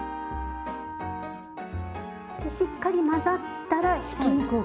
しっかり混ざったらひき肉を加えます。